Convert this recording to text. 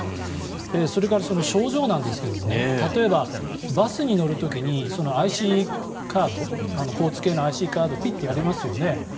それから、症状なんですけど例えばバスに乗る時に交通系のＩＣカードピッとやりますよね。